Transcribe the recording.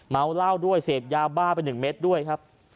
เมาเหล้าด้วยเสพยาบ้าไป๑เม็ดด้วยครับ